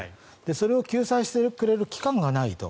それを救済してくれる機関がないと。